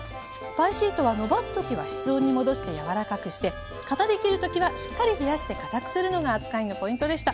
パイシートはのばす時は室温に戻して柔らかくして型で切る時はしっかり冷やしてかたくするのが扱いのポイントでした。